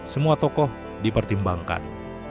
semua tokoh dipertimbangkan